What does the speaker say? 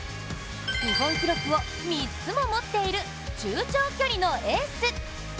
日本記録を３つも持っている中長距離のエース。